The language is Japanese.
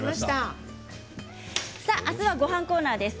明日は、ごはんコーナーです。